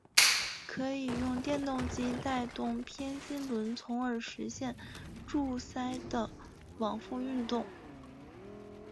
可以用电动机带动偏心轮从而实现柱塞的往复运动。